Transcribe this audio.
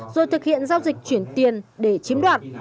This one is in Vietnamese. rồi thực hiện giao dịch chuyển tiền để chiếm đoạt